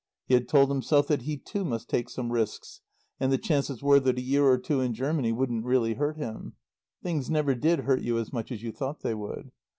He had told himself that he too must take some risks, and the chances were that a year or two in Germany wouldn't really hurt him. Things never did hurt you as much as you thought they would.